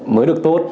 mới được tốt